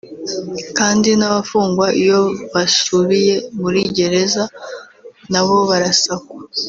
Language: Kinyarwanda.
kandi n’abafungwa iyo basubiye muri gereza nabo barasakwa